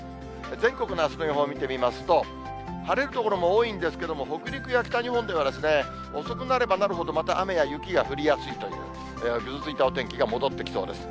全国のあすの予報、見てみますと、晴れる所も多いんですけども、北陸や北日本では、遅くなればなるほど、また雨や雪が降りやすいという、ぐずついたお天気が戻ってきそうです。